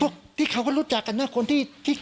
เดินอยู่ข้างนอกนี่